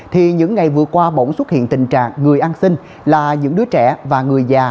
thì những ngày vừa qua bỗng xuất hiện tình trạng người ăn xin là những đứa trẻ và người già